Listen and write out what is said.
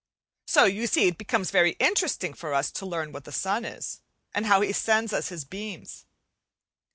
So you see it becomes very interesting for us to learn what the sun is, and how he sends us his beams.